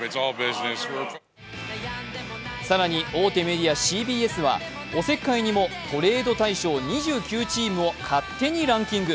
更に大手メディアＣＢＳはおせっかいにもトレード対象２９チームを勝手にランキング。